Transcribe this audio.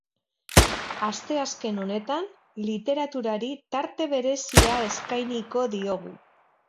Asteazken honetan, literaturari tarte berezia eskainiko diogu.